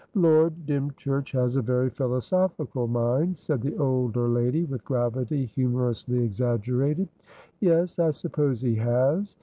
"Lord Dymchurch has a very philosophical mind," said the older lady, with gravity humorously exaggerated. "Yes, I suppose he has.